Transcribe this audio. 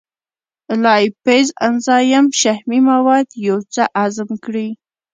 لایپیز انزایم شحمي مواد یو څه هضم کړي.